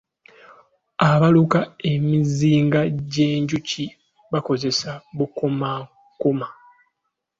Abaluka emizinga gy'enjuki bakozesa bukomakoma.